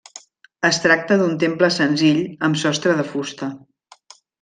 Es tracta d'un temple senzill amb sostre de fusta.